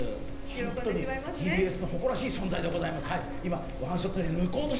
本当にＴＢＳの誇らしい存在でございますね。